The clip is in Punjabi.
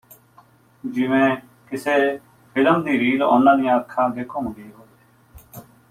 ਜਿਵੇਂ ਕਿਸੇ ਫਿਲਮ ਦੀ ਰੀਲ ਉਹਨਾਂ ਦੀਆਂ ਅੱਖਾਂ ਅੱਗੇ ਘੁੰਮ ਗਈ ਹੋਵੇ